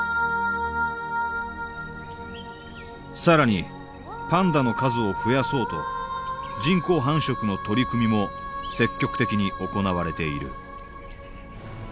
更にパンダの数を増やそうと人工繁殖の取り組みも積極的に行われている。